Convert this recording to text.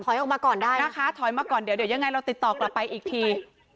ออกมาก่อนได้นะคะถอยมาก่อนเดี๋ยวยังไงเราติดต่อกลับไปอีกที